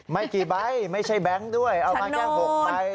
ไม่กี่ใบไม่ใช่แบงค์ด้วยเอามาแค่๖ใบ